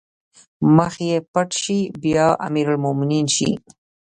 مخ يې پټ شي بيا امرالمومنين شي